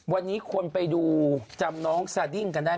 วันนี้ควรไปดูจำน้องส่าวดิ้งกันได้ไหม